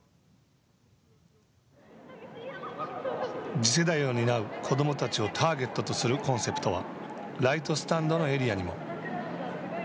次世代を担う子どもたちをターゲットとするコンセプトはライトスタンドのエリアにも。